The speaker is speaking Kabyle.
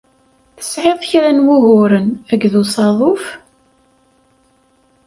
Tesɛiḍ kra n wuguren akked usaḍuf?